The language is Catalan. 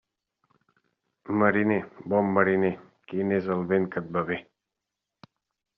Mariner, bon mariner, quin és el vent que et va bé?